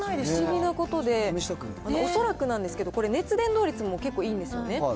不思議なことで、恐らくなんですけど、これ、熱伝導率も結構いいんですよね。